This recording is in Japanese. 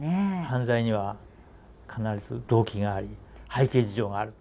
犯罪には必ず動機があり背景事情がある。